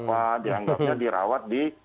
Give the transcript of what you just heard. yang anggapnya dirawat di